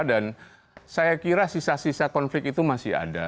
dan saya kira sisa sisa konflik itu masih ada